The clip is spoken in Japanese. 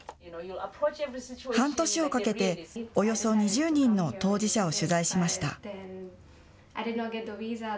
半年をかけておよそ２０人の当事者を取材しました。